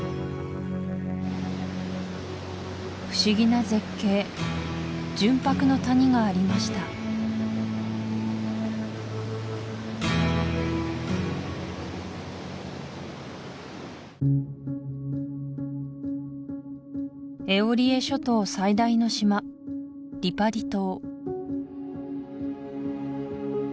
不思議な絶景純白の谷がありましたエオリエ諸島最大の島リパリ島